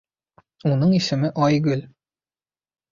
Уның исеме Айгөл